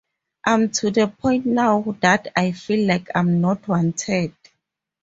I'm to the point now that I feel like I'm not wanted.